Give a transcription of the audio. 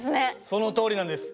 そのとおりなんです。